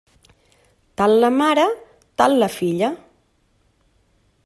Tal la mare, tal la filla.